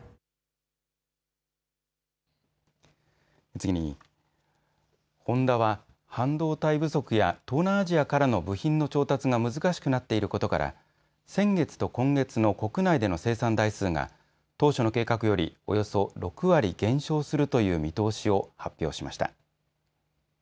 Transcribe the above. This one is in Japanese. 次にホンダは半導体不足や東南アジアからの部品の調達が難しくなっていることから先月と今月の国内での生産台数が当初の計画よりおよそ６割減少するという見通しを発表しました。